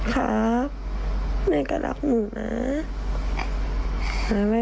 ครับแม่ก็รักหนูนะ